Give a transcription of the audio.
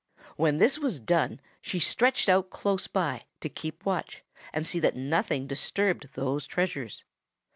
When this was done she stretched out close by to keep watch and see that nothing disturbed those treasures.